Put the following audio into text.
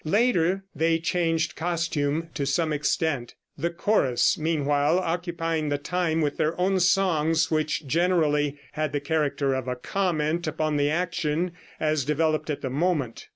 Later they changed costume to some extent, the chorus meanwhile occupying the time with their own songs, which generally had the character of a comment upon the action as developed at the moment.